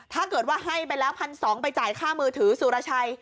ถ้าเกิดว่าให้ไปแล้ว๑๒๐๐ไปจ่ายค่ามือถือสุรชัย